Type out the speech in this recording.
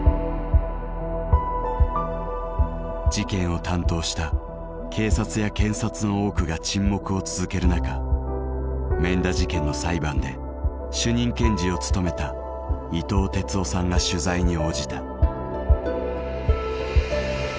事件を担当した警察や検察の多くが沈黙を続ける中免田事件の裁判で主任検事を務めた伊藤鉄男さんが取材に応じた。